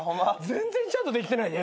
全然ちゃんとできてないで。